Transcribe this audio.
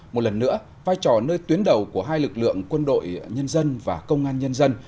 một lần nữa vai trò nơi tuyến đầu của hai lực lượng quân đội nhân dân và công an nhân dân